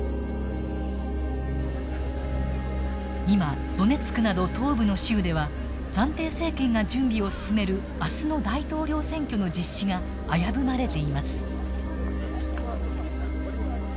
今ドネツクなど東部の州では暫定政権が準備を進める明日の大統領選挙の実施が危ぶまれています。